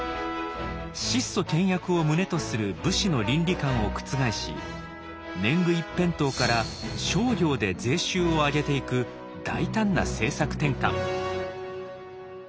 質素倹約を旨とする武士の倫理観を覆し年貢一辺倒から商業で税収をあげていく大胆な政策転換。